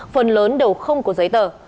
phần lớn đều không có giấy tờ